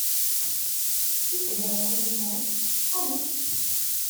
I tezrawin-nwent, amek?